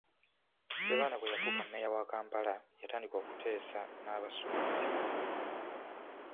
Ssebaana bwe yafuuka Mmeeya wa Kampala, yatandika okuteesa n'abasuubuzi.